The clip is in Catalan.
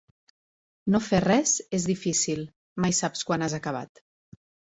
No fer res és difícil, mai saps quan has acabat.